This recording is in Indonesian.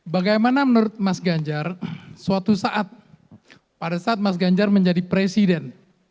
bagaimana menurut mas ganjar suatu saat pada saat mas ganjar menjadi presiden